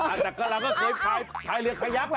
อันดับกำลังว่าเคยพายเรือนคายักล่ะ